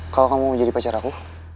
kalau kamu mau jadi pacar aku